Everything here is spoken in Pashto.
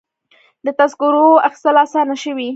د تذکرو اخیستل اسانه شوي؟